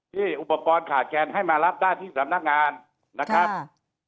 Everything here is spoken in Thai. อุปกรณ์ขาดแคนให้มารับได้ที่สำนักงานนะครับ